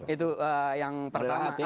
itu yang pertama